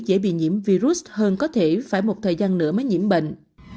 dễ bị nhiễm virus hơn có thể phải một thời gian nữa mới nhiễm bệnh